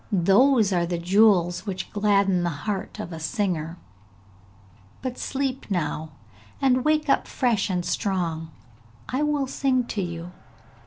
Those are the jewels which gladden the heart of a singer; but sleep now, and wake up fresh and strong! I will sing to you!'